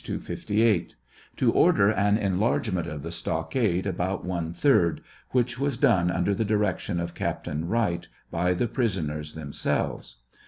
258, ) to order an enlargement of the stockade about one third, which was done under the direction of Captain Wright by the prisoners themselves.